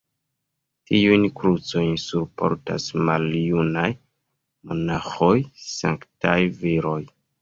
Tiujn krucojn surportas maljunaj monaĥoj, sanktaj viroj.